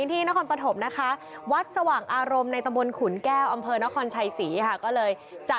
ที่ไม่ต้องกลับเข้ามา